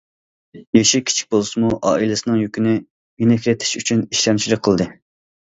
يېشى كىچىك بولسىمۇ، ئائىلىسىنىڭ يۈكىنى يېنىكلىتىش ئۈچۈن ئىشلەمچىلىك قىلدى.